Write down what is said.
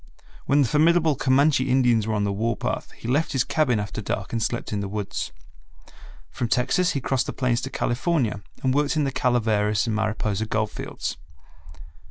When the formidable Comanche Indians were on the war path he left his cabin after dark and slept in the woods. From Texas he crossed the plains to California and worked In the Calaveras and Mariposa gold fields.